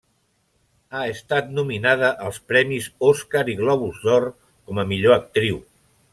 Ha estat nominada als premis Oscar i Globus d'Or com a millor actriu.